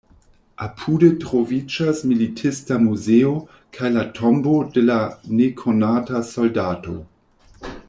Apude troviĝas militista muzeo kaj la Tombo de la Nekonata Soldato.